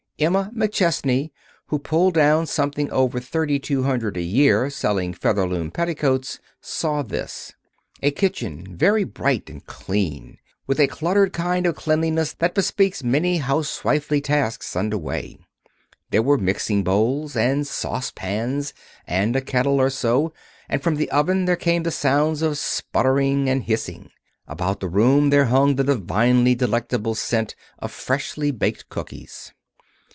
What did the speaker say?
Emma McChesney, who pulled down something over thirty two hundred a year selling Featherloom Petticoats, saw this: A kitchen, very bright and clean, with a cluttered kind of cleanliness that bespeaks many housewifely tasks under way. There were mixing bowls, and saucepans, and a kettle or so, and from the oven there came the sounds of sputtering and hissing. About the room there hung the divinely delectable scent of freshly baked cookies.